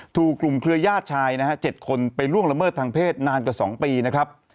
ถูกกลุ่มเครือญาติชายนะฮะ๗คนไปล่วงละเมิดทางเพศนานกว่า๒ปีนะครับ